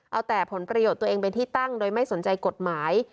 เอาแต่ผลประโยชน์ตัวเองเป็นที่ตั้งโดยไม่สนใจกฎหมาย